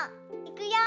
いくよ。